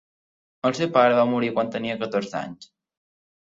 El seu pare va morir quan tenia catorze anys.